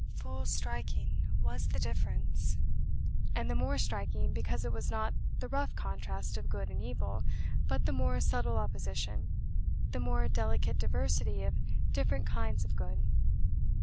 Full striking was the difference; and the more striking because it was not the rough contrast of good and evil, but the more subtle opposition, the more delicate diversity of different kinds of good.